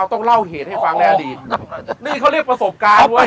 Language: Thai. ต้องเล่าเหตุให้ฟังในอดีตนี่เขาเรียกประสบการณ์เว้ย